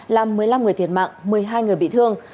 làm một mươi năm người thiệt mạng một mươi hai người bị thương